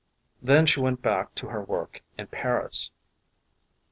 Then she went back to her work in Paris.